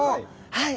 はい。